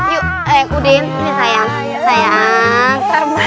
yuk eh udin ini sayang